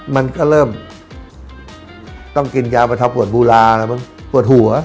มันก็เริ่มต้องกินยาวประทบปวดบูราปวดหัว